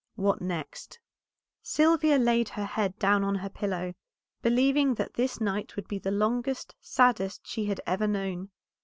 WHAT NEXT? Sylvia laid her head down on her pillow, believing that this night would be the longest, saddest she had ever known.